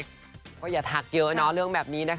ก็อย่าทักเยอะเนาะเรื่องแบบนี้นะคะ